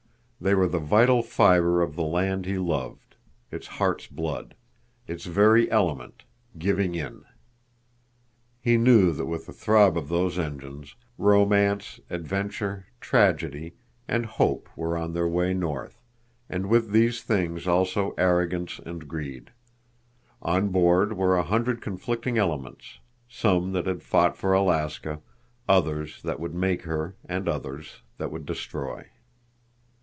They were the vital fiber of the land he loved, its heart's blood, its very element—"giving in." He knew that with the throb of those engines romance, adventure, tragedy, and hope were on their way north—and with these things also arrogance and greed. On board were a hundred conflicting elements—some that had fought for Alaska, others that would make her, and others that would destroy.